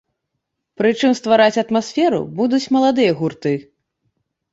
Прычым ствараць атмасферу будуць маладыя гурты.